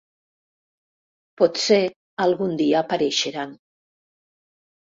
Potser algun dia apareixeran.